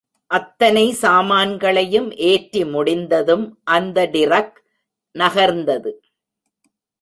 அத்தனை சாமான்களையும் ஏற்றி முடிந்ததும் அந்த டிரக் நகர்ந்தது.